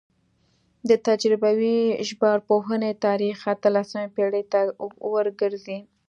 د تجربوي ژبارواپوهنې تاریخ اتلسمې پیړۍ ته ورګرځي